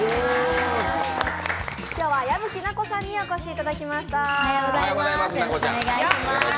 今日は矢吹奈子さんにお越しいただきました。